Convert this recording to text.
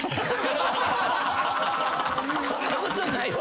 そんなことないわ。